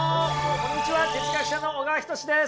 こんにちは哲学者の小川仁志です。